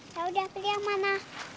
ya udah beli yang mana